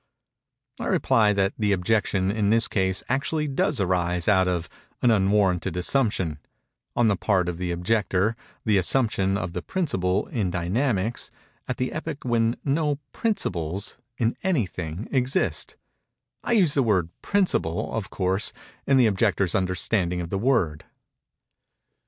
I reply that the objection, in this case, actually does arise out of "an unwarranted assumption"—on the part of the objector—the assumption of a principle, in Dynamics, at an epoch when no "principles," in anything, exist:—I use the word "principle," of course, in the objector's understanding of the word.